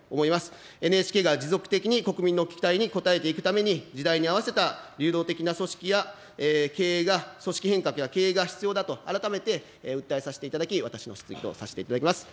ＮＨＫが持続的に国民の期待に応えていくために、時代に合わせた流動的な組織や、経営が、組織変革や経営が必要だと、改めて訴えさせていただき、私の質疑とさせていただきます。